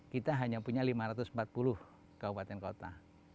kita hanya punya lima ratus empat puluh kabupaten kota